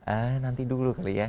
eh nanti dulu kali ya